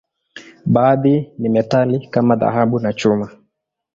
Baadhi ni metali, kama dhahabu au chuma.